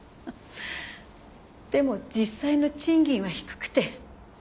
でも実際の賃金は低くて。